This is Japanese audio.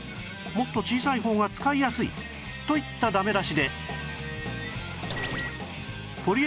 「もっと小さい方が使いやすい」といったダメ出しで